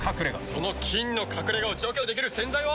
その菌の隠れ家を除去できる洗剤は。